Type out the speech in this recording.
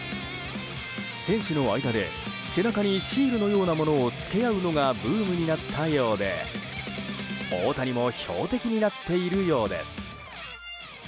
選手の間で背中にシールのようなものを付け合うのがブームになったようで大谷も標的になっているようです。